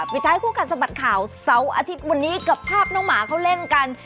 ปิดท้ายคู่กันสะบัดข่าวเสาร์อาทิตย์วันนี้กับภาพน้องหมาเขาเล่นกัน